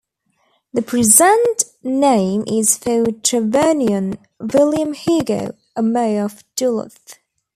The present name is for Trevanion William Hugo, a mayor of Duluth.